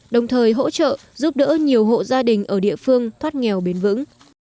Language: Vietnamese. đồng thời hỗ trợ giúp đỡ nhiều hộ gia đình ở địa phương thoát nghèo bền vững